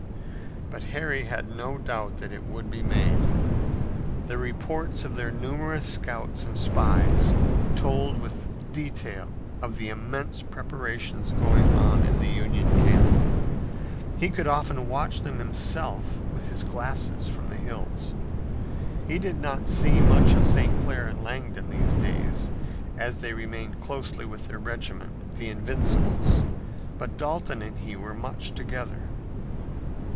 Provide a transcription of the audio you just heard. But Harry had no doubt that it would be made. The reports of their numerous scouts and spies told with detail of the immense preparations going on in the Union camp. He could often watch them himself with his glasses from the hills. He did not see much of St. Clair and Langdon these days, as they remained closely with their regiment, the Invincibles, but Dalton and he were much together.